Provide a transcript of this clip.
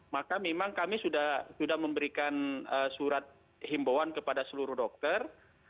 maka memang kami sudah memberikan surat himbauan kepada seluruh dokter